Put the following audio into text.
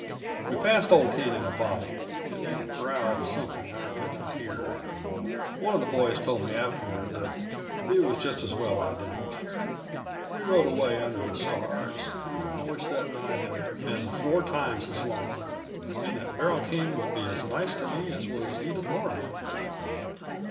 We passed old King in a body, and he growled something I could not hear; one of the boys told me, afterward, that it was just as well I didn't. We rode away under the stars, and I wished that night had been four times as long, and that Beryl King would be as nice to me as was Edith Loroman.